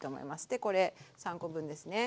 でこれ３コ分ですね。